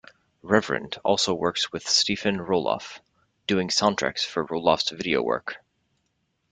Reverend also works with Stefan Roloff, doing soundtracks for Roloff's video work.